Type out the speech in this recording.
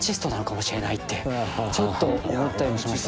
てちょっと思ったりもしました。